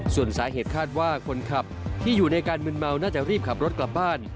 ส่วนสาเหตุคาดว่าคนขับที่อยู่ในการมึนเมาน่าจะรีบขับรถกลับบ้าน